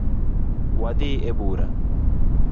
Wadhi ebura